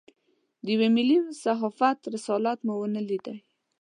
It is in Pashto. د یوه ملي صحافت رسالت مو ونه لېدای.